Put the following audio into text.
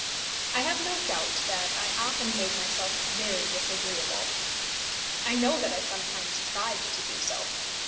I have no doubt that I often made myself very disagreeable. I know that I sometimes tried to do so.